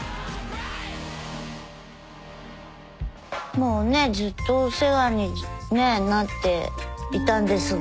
もうねずっとお世話にねぇなっていたんですが。